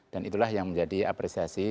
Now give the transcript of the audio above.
dan itulah yang menjadi apresiasi